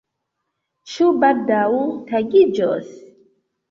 Ĉu baldaŭ tagiĝos?